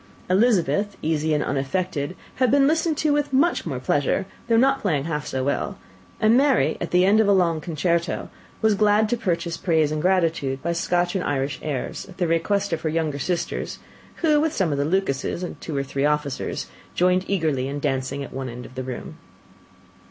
Elizabeth, easy and unaffected, had been listened to with much more pleasure, though not playing half so well; and Mary, at the end of a long concerto, was glad to purchase praise and gratitude by Scotch and Irish airs, at the request of her younger sisters, who with some of the Lucases, and two or three officers, joined eagerly in dancing at one end of the room.